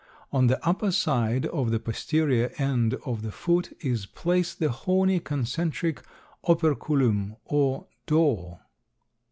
On the upper side of the posterior end of the foot is placed the horny, concentric operculum or door.